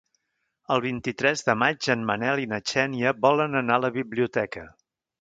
El vint-i-tres de maig en Manel i na Xènia volen anar a la biblioteca.